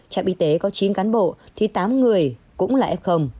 trạm y tế có chín cán bộ thì tám người cũng là f